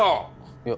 いや